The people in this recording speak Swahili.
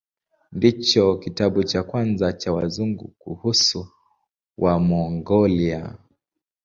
Ndicho kitabu cha kwanza cha Wazungu kuhusu Wamongolia.